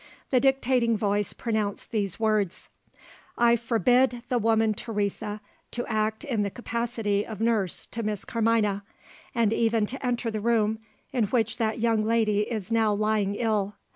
The dictating voice pronounced these words: "I forbid the woman Teresa to act in the capacity of nurse to Miss Carmina, and even to enter the room in which that young lady is now lying ill.